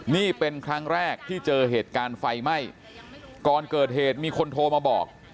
นี่เป็นครั้งแรกที่เจอเหตุการณ์ไฟไหม้ก่อนเกิดเหตุมีคนโทรมาบอก